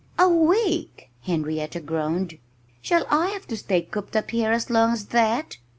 "A week!" Henrietta groaned. "Shall I have to stay cooped up here as long as that?"